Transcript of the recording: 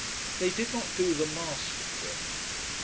They did not do the mask trip.